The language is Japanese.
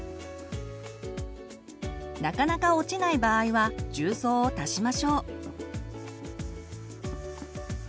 なかなか落ちない場合は重曹を足しましょう。